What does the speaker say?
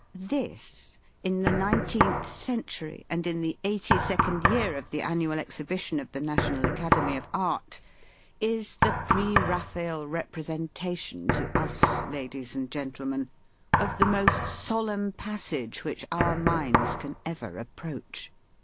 This, in the nineteenth century, and in the eighty second year of the annual exhibition of the National Academy of Art, is the Pre Eaphael representation to us, Ladies and Gentlemen, of the most solemn passage which our minds can ever approach.